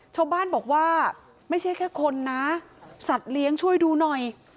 ชาวบ้านบอกว่าไม่ใช่แค่คนนะสัตว์เลี้ยงช่วยดูหน่อย